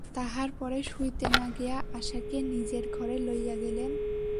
তাহার পরে শুইতে না গিয়া আশাকে নিজের ঘরে লইয়া গেলেন।